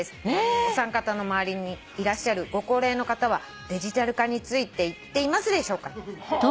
「お三方の周りにいらっしゃるご高齢の方はデジタル化についていっていますでしょうか？」